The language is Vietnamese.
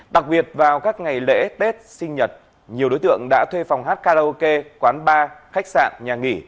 đặc biệt vào các ngày lễ tết sinh nhật nhiều đối tượng đã thuê phòng hát karaoke quán bar khách sạn nhà nghỉ